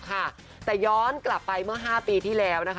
แต่ย้อนกลับไปเมื่อ๕ปีที่แล้วนะคะ